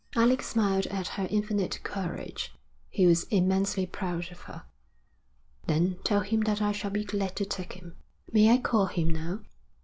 Alec smiled at her infinite courage. He was immensely proud of her. 'Then tell him that I shall be glad to take him.' 'May I call him now?'